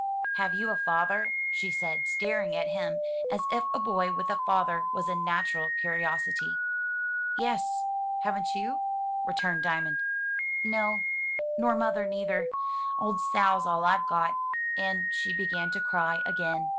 "Have you a father?" she said, staring at him as if a boy with a father was a natural curiosity. "Yes. Haven't you?'' returned Diamond. "No; nor mother neither. Old Sal's all I've got." And she began to cry again.